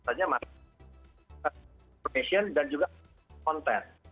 misalnya masalah dan juga konten